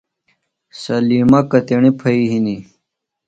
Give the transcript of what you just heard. سلمی کتیݨی پھئی ہِنیۡ؟